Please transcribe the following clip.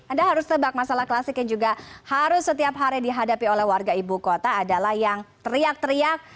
anda harus tebak masalah klasik yang juga harus setiap hari dihadapi oleh warga ibu kota adalah yang teriak teriak